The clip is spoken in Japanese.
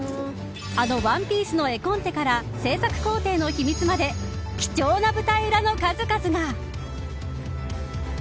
あのＯＮＥＰＩＥＣＥの絵コンテから制作工程の秘密まで貴重な舞台裏の数々が。